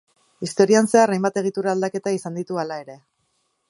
Historian zehar hainbat egitura aldaketa izan ditu hala ere.